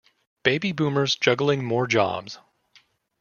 "Baby boomers juggling more jobs".